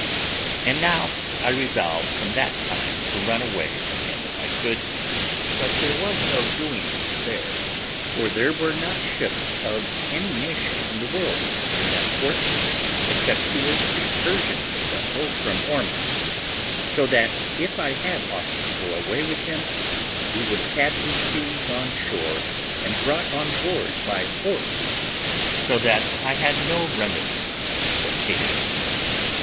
And now I resolved from that time to run away from him if I could, but there was no doing of it there, for there were not ships of any nation in the world in that port, except two or three Persian vessels from Ormus, so that if I had offered to go away from him, he would have had me seized on shore, and brought on board by force; so that I had no remedy but patience.